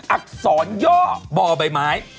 อักษรย่อบ่อใบไม้